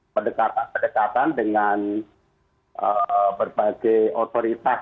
pendekatan pendekatan dengan berbagai otoritas